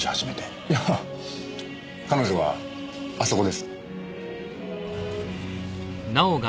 いやぁ彼女はあそこです。